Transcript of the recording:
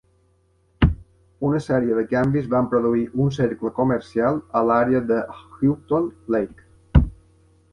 Una sèrie de canvis van produir un cercle comercial a l"àrea de Houghton Lake.